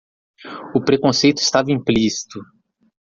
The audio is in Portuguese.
O preconceito estava implícito